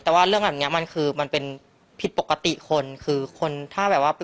แต่ว่าเรื่องแบบนี้มันคือมันเป็นผิดปกติคนคือคนถ้าแบบว่า